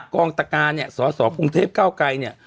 กองตะการเนี่ยสสกรุงเทพเก้าไกรเนี่ย